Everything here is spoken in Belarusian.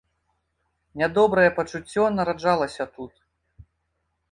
Нядобрае пачуццё нараджалася тут.